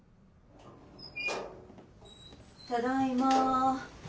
ただいま。